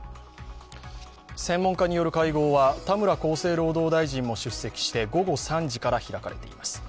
専門家による会合は田村厚生労働大臣も出席して午後３時から開かれています。